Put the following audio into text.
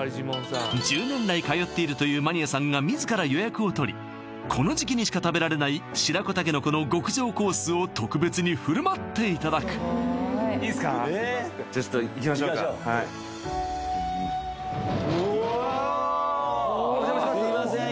１０年来通っているというマニアさんが自ら予約を取りこの時期にしか食べられない白子筍の極上コースを特別にふるまっていただくいいですかちょっと行きましょうかすいません